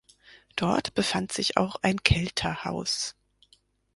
Dort befand sich auch ein Kelterhaus.